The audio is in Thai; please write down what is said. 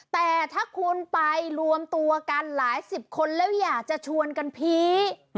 แต่ถ้าคุณไปรวมตัวกันหลายสิบคนแล้วอยากจะชวนกันพี